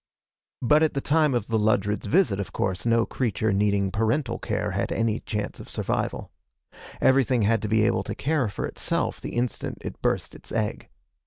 But at the time of the Ludred's visit of course no creature needing parental care had any chance of survival. Everything had to be able to care for itself the instant it burst its egg.